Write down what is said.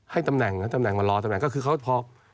ตำแหน่งนะตำแหน่งมารอตำแหน่งก็คือเขาพอ